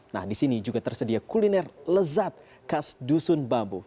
nah di sini juga tersedia kuliner lezat khas dusun bambu